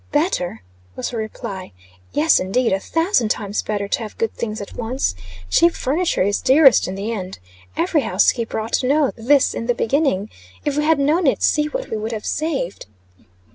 "Better!" was her reply. "Yes, indeed, a thousand times better to have good things at once. Cheap furniture is dearest in the end. Every housekeeper ought to know this in the beginning. If we had known it, see what we would have saved."